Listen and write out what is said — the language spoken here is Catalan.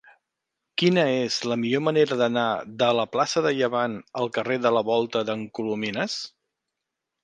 Quina és la millor manera d'anar de la plaça de Llevant al carrer de la Volta d'en Colomines?